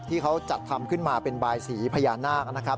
ที่เขาจัดทำขึ้นมาเป็นบายสีพญานาคนะครับ